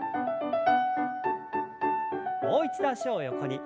もう一度脚を横に。